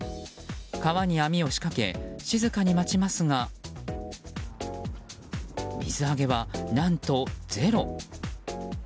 川に網を仕掛け静かに待ちますが水揚げは何と０。